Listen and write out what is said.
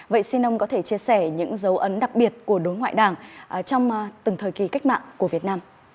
vậy xin ông có thể chia sẻ những dấu ấn đặc biệt của đối ngoại đảng trong từng thời kỳ cách mạng của việt nam